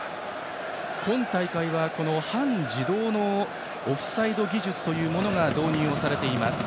今大会は半自動のオフサイド技術が導入されています。